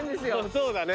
そうだね。